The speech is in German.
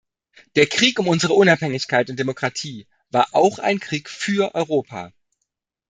Der Krieg um unsere Unabhängigkeit und Demokratie war auch ein Krieg für Europa.